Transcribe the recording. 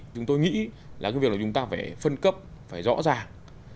chúng tôi nghĩ là cái việc là chúng ta phải phân cấp phải rõ ràng